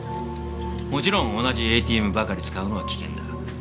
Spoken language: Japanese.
もちろん同じＡＴＭばかり使うのは危険だ。